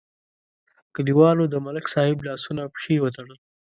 کلیوالو د ملک صاحب لاسونه او پښې وتړل.